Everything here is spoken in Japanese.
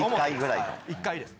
１階です。